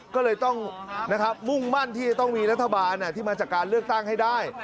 ก็เลยต้องมุ่งมั่นที่จะต้องมีรัฐบาลที่มาจากการเลือกตั้งให้ได้